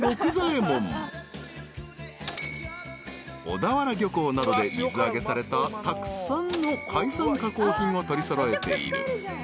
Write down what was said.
［小田原漁港などで水揚げされたたくさんの海産加工品を取り揃えている］